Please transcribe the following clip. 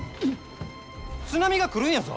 津波が来るんやぞ。